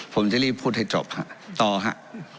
ผมจะรีบพูดให้จบต่อครับ